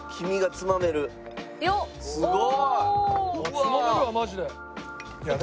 つまめるわマジで。